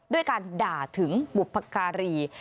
ด้วยการด่าถึงบุพการี